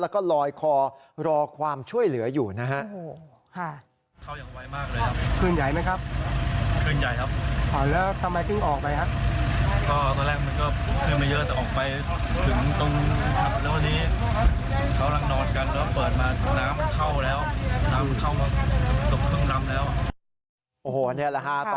แล้วก็ลอยคอรอความช่วยเหลืออยู่นะฮะ